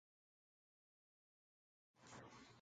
They chased rebel cavalry and captured several prisoners.